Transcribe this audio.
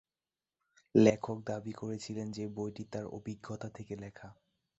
লেখক দাবি করেছিলেন যে বইটি তার অভিজ্ঞতা থেকে লেখা।